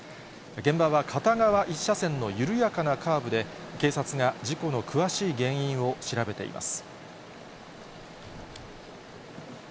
現場は片側１車線の緩やかなカーブで、警察が事故の詳しい原因を調べています。